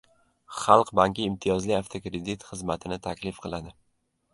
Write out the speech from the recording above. Xalq banki imtiyozli avtokredit xizmatini taklif qiladi